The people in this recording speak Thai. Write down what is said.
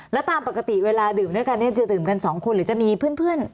แล้วตามปกติเวลาดื่มด้วยกันเนี่ยจะดื่มกันสองคนหรือจะมีเพื่อน